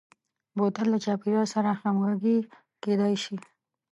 بوتل د چاپیریال سره همغږي کېدلای شي.